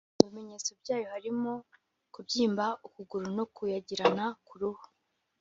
Mu bimenyetso byayo harimo kubyimba ukuguru no kuyagirana ku ruhu